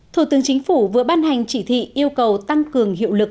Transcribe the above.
thủ tướng chính phủ vừa ban hành chỉ thị yêu cầu tăng cường hiệu lực